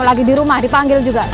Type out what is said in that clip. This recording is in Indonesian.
lagi di rumah dipanggil juga